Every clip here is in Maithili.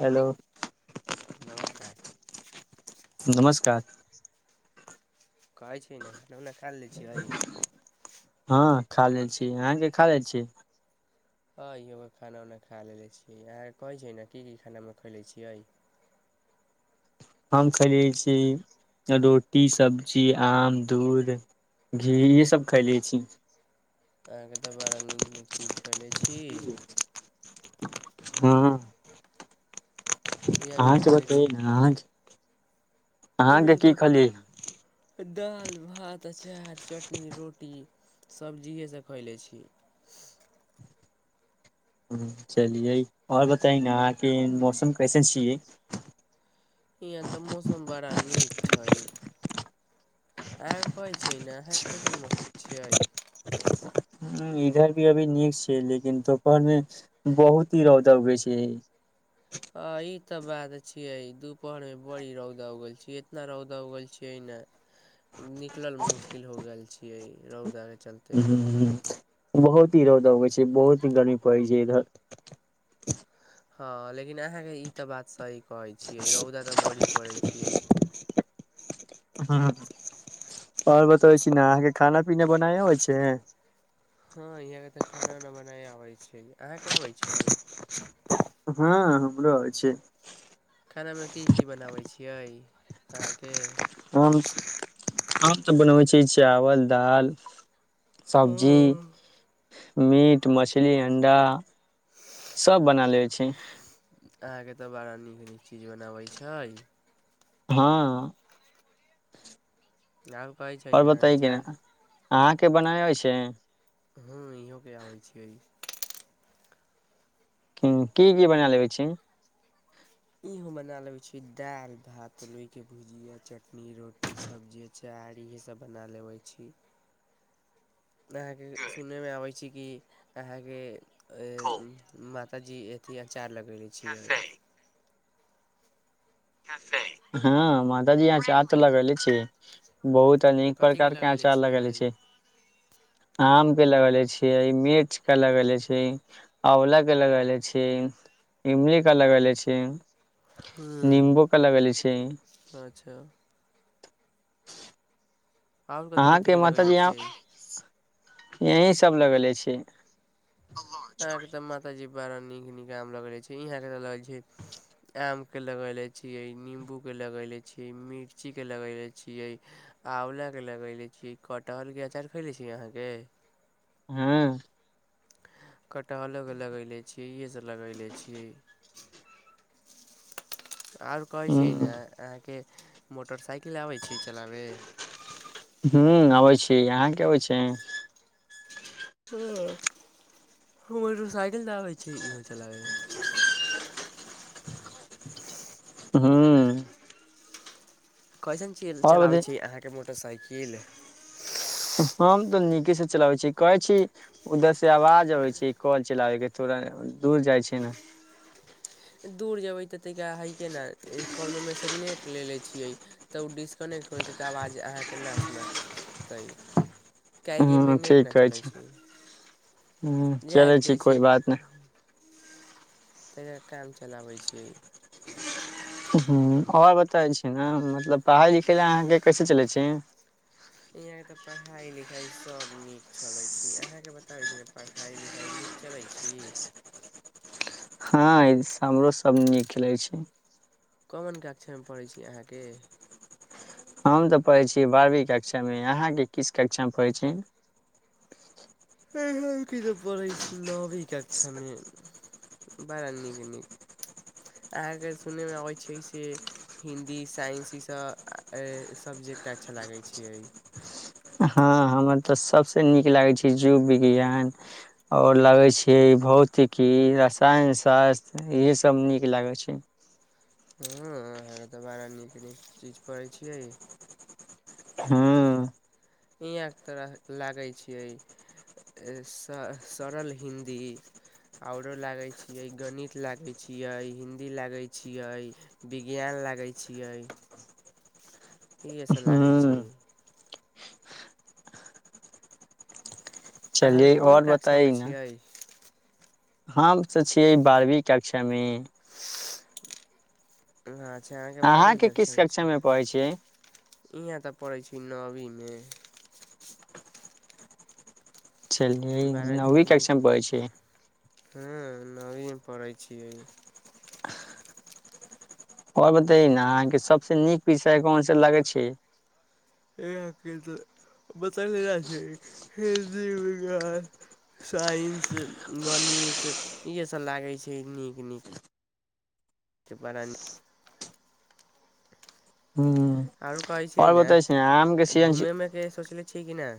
हेलो नमस्कार नमस्कार कहै छै ने खाना उना खा लै छियै हँ खा लेन छियै अहाँके खा लै छी हँ इन्हर खाना उना खा लेले छीयै अहाँके कहै छै न की की खाना हम खैले छियै हम खेलै छी रोटी सब्जी आम दूध घी इहे सब खैले छी अहाँके तऽ बड़ा नीक नीक चीज खैले छी हँ अअहाँ के खयले बतैयै न अहाँके इहे की द खलियै क दाल भात अचार चटनी रोटी सब्जिएसँ खयलै छी हुँ चलियै आओर बताय न अहाँके मौसम कैसन छियै यहाँ तऽ मौसम बड़ा नीक छै अहाँ के कहै छियै न अहाँके कैसन मौसम छीयै इधर भी अभी नीक छै लेकिन दोपहर मे बहुत ही रौदा उगे छै अ ई तऽ बात छियै दुपहर मे बड़ी रौदा उगल छीयै इतना रौदा उगल छियै ने निकलल मुश्किल हो गेल छियै रौदा के चलते बहुत ही रौदा उगै छै बहुत ही गर्मी पड़ै छै इधर हँ लेकिन अहाँके ई तऽ बात सही कहै छियै रौदा तऽ बड़ी पड़ैत छियै हुँ आओर बतबै छी ने अहाँके खाना पीना बनाय होइ छै हँ इहाँ के तऽ खाना उना बनाय आबै छै अहाँ के आबै छीयै हँ हमरो होइ छै खानामे की की बनाबै छियै अहाँके हम हम तऽ बनबै छियै चावल दाल हँ सब्जी मीट मछली अंडा सब बना लेबै छी अहाँकेँ तऽ बड़ा नीक नीक चीज बनाबै छै हँ आ हम कहै छी आओर बतै कि ने अहाँकेँ बनाय अबै छै हँ इहो केँ आबै छै [unintelligible] की की बना लेबै छी इ हम बना लेबै छीे दाल भात लोइ केँ भुजिया चटनी रोटी सब्ज़ी चार इहेसब बना लेबै छी अहाँकेँ सुनैमे आबै छै कि अहाँकेँ ए मा ताजी अथी अचार लगेले छियै हुँ माताजी अचार तऽ लगलै छी बहुत अनेक कथीके प्रकार केँ लगेले अचार लगेले छियै छी आम केँ लगेले छियै मिर्च केँ लगेले छी आँवला केँ लगलै छी इमल केँ लगले छी हुँ नींबू के लगेले छी अच्छऽ आओर कथी अहाँकेँ कथीके लगेले माताजी आम छियै यही सब लगेलै छी यहाँ केँ तऽ माता जी बड़ा नीक नीक आम लगल छै यहाँ केँ तऽ लगल छै आम केँ लगैले छियै निम्बूकेँ लगयले छियै मिर्ची केँ लगैले छियै आँवल केँ लगले छीयै कटहल केँ अचार खैले छी अहाँ के हुँ कटहलो केँ लगैले छियै इहसभ लगैले छियै आओर कहै छै नऽ अहाँकेँ मोटरसाइकिल आबै छै चलाबै हुँ अबै छी अहाँक आहाँकेँ अबै छै हूँ मोटरसाइकिल दऽ आबै छी इहो चलाबै हुँ कैसन च आओर बतै चलाबै छी अहाँके मोटरसाइकिल हम तऽ नीके सँ चलाबै छी कहै छी उधर से आवाज अबै छै कल चलाबे केँ थोड़ दूर जाइ छै ने दूर जेबै तऽ तइका दोनोके हइ केँ नऽ कनोमेसँ नेट ले ले छियै तऽ ओ डिस्कनेक्ट होइइ छै तऽ आवाज अहाँ केना सुनायतै काहेकि एहिमे ह्म नेट ठीक नऽ कहै चलै छी छै ह्म जा चलै छी दै कोइ छै बात नहि तहिना काम चलाबै छियै [unintelligible] आओर बताै छी नऽ मतलब पढ़ई लिखाय अहाँकेँ कैसे चलै छी यहाँ केँ तऽ पढ़ाइ लिखाइ सभ नीक चलै छै अहाँकेँ बताबै छी नऽ पढ़ाइ लिखाइ नीक चलै छी हँ हमरो सब नीक खेलै छै कवन कक्षामे पढ़ैत छी अहाँकेँ हम तऽ पढ़ैत छी बारहवी कक्षामे अहाँकेँ किस कक्षामे पढ़ैत छी हमकी तऽ पढ़ै छी नैवी कक्षामे बड़ा नीक नीक अहाँकेँ सुनै मे अबै छै से हिन्दी साइंस ई सब सब्जेक्ट अच्छा लागै छियै हँ हमर तऽ सबसँ नीक लागै छै जोव विज्ञान आओर लगे छियै भौतिकी रसायन सास्त्र इएहे सभ नीक लागैत छै हँ अहाँके तऽ बड़ा नीक नीक चीज पढ़ैत छियै हुँ हियाँके तरह लागै छियै स सरल हिन्दी आओरो लागै छियै गणित लागै छियै हिन्दी लागै छियै विज्ञान लागै छियै इह सब लागै छै हूं चलियै अहाँके कोन आओर बताए कक्षामे न छियै हम तऽ छियै बारहवीं कक्षा मे अच्छा अहाँ के अहाँ अहाँके बारहवी किस कक्षा छै मे पढ़ै छियै इहाँ तऽ पड़ै छी नवीमे छेलियै बड़ा नीक नौवी नीक कक्षामे पढ़ै छियै हँ नवीमे पढ़ै छियै आओर बतइ न अहाँके सबस नीक विषय कोन से लगे छै बतैले न छियै हिन्दी विज्ञान साइन्स गणित इएहे सब लागै छै नीक नीक छै बरा हुँ आओरो कहै छियै ने छै घूमेमे के सोचले छियै कि न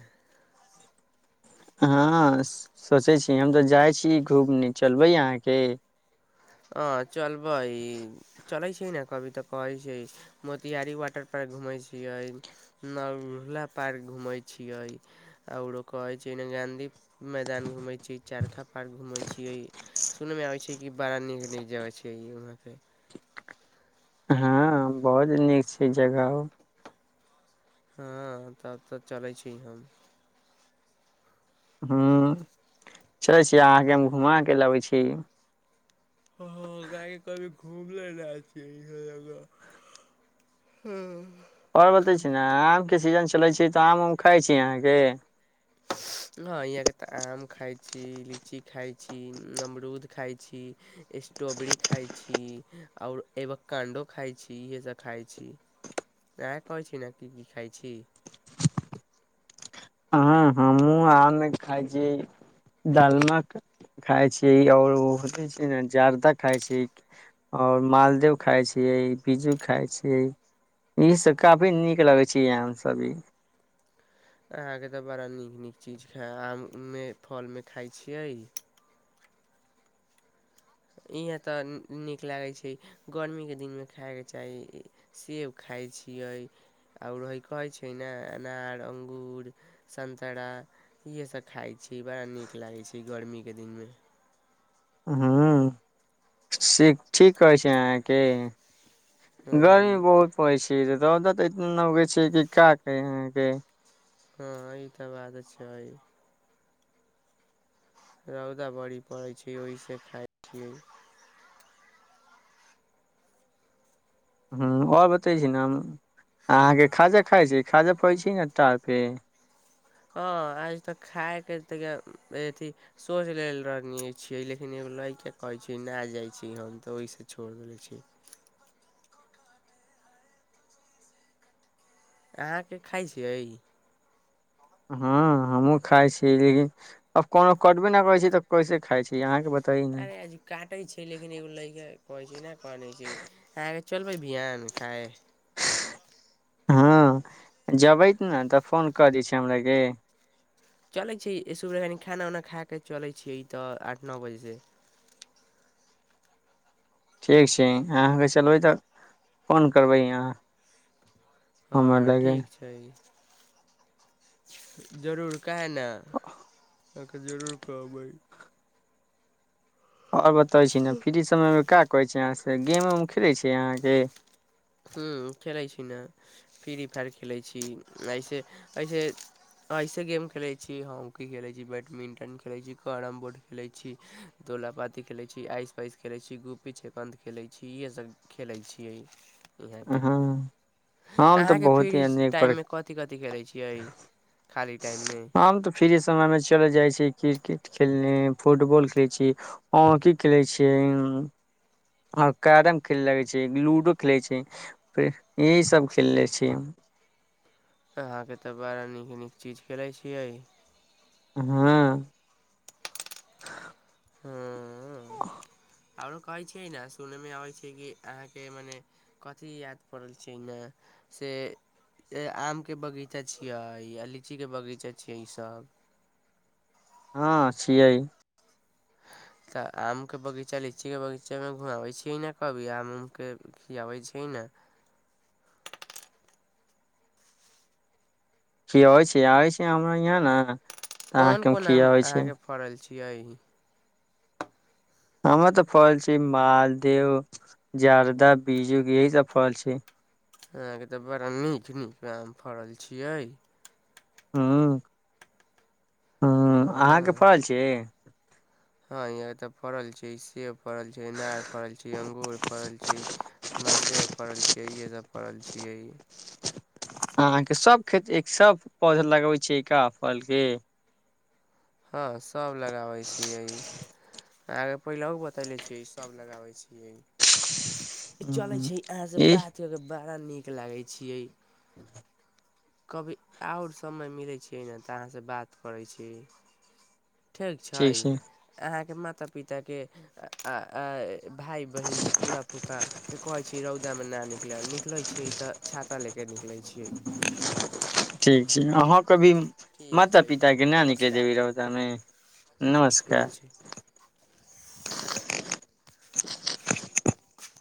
हँ सोचै छी हम तऽ जाइ छी घूमने चलबै अहाँके आ चलब ई चलै छियै न कभी तऽ कहै छै मोतियारी वाटर पार्क घूमै छियै नला पार्क घूमै छियै आरो कहै छै गाँधी मैदान घूमैत छियै चारखा पार्क घूमैत छियै सुनय मे आबै छै कि बड़ा नीक नीक जगह छै वहाँ पे हँ बहुत नीक छै जगह उ हँ तब तऽ चलै छी हम हुँ चलै छी अहाँके हम घुमा के लबै छी हँ काहेकि कभी घुमले ना छियै इहो जगह हँ आओर बतबै छी न, आमके सीजन चलै छै तऽ आम उम खाइ छी अहाँके? [inaudible] हँ यहाँके तऽ आम खाइत छी, लीची खाइत छी, अमरूद खाइत छी स्टोबेड़ी खाइ छी आओर एवकाण्डो खाइ छी, इएहे सब खाइत छी इए कहै छी ने की की खाइ छी हँ हमहूँ आमे खाय छियै दालमा के खाइ छियै आओर ओहो मे छियै न जरदा खाइ छियै आओर मालदेव खाइ छियै बिज्जू खाइ छियै ई सब काफी निक लगै छै ई आम सब ई अहाँके तऽ बड़ा नीक नीक चीज खे आम मे फल मे खाय छियै इहें तऽ नीक लागै छै। गर्मीके दिनमे खायके चाही सेब खाइ छियै आओर हय कहै छियै न अनार, अंगूर, संतरा इहे सभ खाइ छियै बड़ा नीक लागै छै गर्मीके दिनमे हुँ सीक ठीक कहै छियै अहाँके? दिनमे गर्मी बहुत पड़ै छै रौद तऽ एतना न उगै छै कि का कही अहाँके हाँ ई तऽ बात छै रौदा बड़ी पड़ै छै ओहिसँ खाइ छियै हूँ आओर बतै छी ने हम अहाँके खाजा खाइ छी खाजा फड़ै छी ने टा पे हाँ आज तक खाइके तऽ क ए-अथी सोच लेल रहने छियै लेकिन एगो लड़ कऽ कहैत छी ना जाइत छी हम तऽ ओहिसँ छोड़ि दैले छी अहाँके खाइ छियै हाँ हमहूँ खाइ छियै लेकिन अब कोनो कटबे ना करै छी तऽ कैसे खाइ छी अहाँके बत- अरे अजी काटै छै लेकिन एगो लैके कहै छै न कहने छै अहाँके चलबै बिहान खाइ हाँ जबै ने तऽ फोन कऽ दै छियै हमराके चलै छै ईसु कनि खाना उना खााकऽ चलै छियै तऽ आठ नअ बजेसँ ठीक छी अहाँके चलबै तऽ फोन करबै अहाँ हमरा हाँ लागे ठीक छै जरूर काहे ने अहाँके जरूर कहबै आओर बतबै छी ने फ्री समयमे का कहै छी अहाँ से गेम उम खेलै छी अहाँके हूँ खेलै छी न फ्री फायर खेलै छी अइसे अइसे अइसे गेम खेलै छी हॉकी खेलै छी बैडमिंटन खेलै छी कैरम बोर्ड खेलै छी दोलापाती खेलै छी आइस-पाइस खेलैत छी गुपी छेेकन्द खेलैत छी इहे सब खेलै छियै इहाँ के हँ हम तऽ अहाँके बहुत फिर ही इस अनेक प्रकार टाइम मे कथि-कथि खेलै छियै खाली टाइममे हम तऽ फ्री समयमे चलि जाइ छी क्रिकेट खेलने फुटबॉल खेलै छी हॉकी खेलै छियै ऊं ऊं आ कैरम खेले लगै छियै लूडो खेलै छियै फेर यही सभ खेलले छियै हम अहाँके तऽ बड़ा नीक-नीक चीज खेलै छियै हूँ हूँ आओरो कहै छियै ने सुनैमे अबै छै कि अहाँके मने कथि याद पड़ल छै ने से ए आमके बगीचा छियै आ लीचीके बगीचा छियै ईसभ हाँ छियै [unintelligible] तऽ आमके बगीचा लीचीके बगीचामे घुमाबै छियै ने कभी आम उमके खियाबै छियै न खियावै छी आवै छै हमरा इहाँ ने कोन अहाँके हम कोन आम खियाबै छी अहाँके फड़ल छियै हमर तऽ फड़ल छियै मालदेव जर्दाह बीजुक यही सब फड़ल छियै अहाँके तऽ बड़ा नीक नीक आम फड़ल छियै हूँ हूँ अहाँके फड़ल छियै हाँ यहाँ तऽ फड़ल छियै सेब फड़ल छै अनार फड़ल छै अंगूर फड़ल छै मालदेव फड़ल छियै इहे सब फड़ल छियै अहाँके सब खेती एक सब पौधा लगवै छियै का फलके हाँ सभ लगाबै छियै अहाँके पहिलेओ बतैले छियै ईसभ लगाबै छियै चलै हूँ छै अहाँसँ ई बात करके बड़ा नीक लागै छियै कभी आओर समय मिलैत छै ने तऽ अहाँसँ बात करैत छी। ठीक छै अहाँके माता पिताके आ। भााय बहिन फुआ फूका कहे छी रौद। कामे नहि निकलब निकलै छियै तऽ छाता ले के निकलै छियै। ठीक छै अहाँ कभी ठीक माता छै पिताके न निकलि नमस्कार देबै रौदा मे। नमस्कार ठीक छै